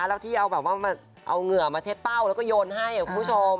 แล้วที่เอาแบบว่าเอาเหงื่อมาเช็ดเป้าแล้วก็โยนให้คุณผู้ชม